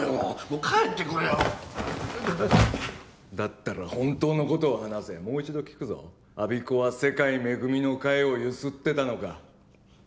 もう帰ってくれよだったら本当のことを話せもう一度聞くぞ我孫子は世界恵みの会をゆすってたのか？